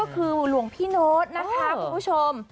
คือหลวงพี่โน๊ตนะคะคุณผู้ชม